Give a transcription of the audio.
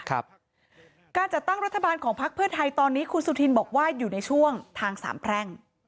การจัดตั้งรัฐบาลของพักเพื่อไทยตอนนี้คุณสุธินบอกว่าอยู่ในช่วงทางสามแพร่ง